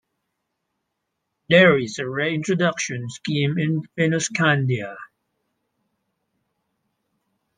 There is a re-introduction scheme in Fennoscandia.